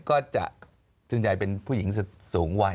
ก็จะจึงใจเป็นผู้หญิงสูงวัย